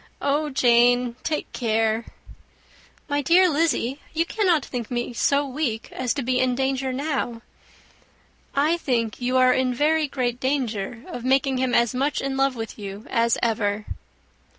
"Oh, Jane! take care." "My dear Lizzy, you cannot think me so weak as to be in danger now." "I think you are in very great danger of making him as much in love with you as ever."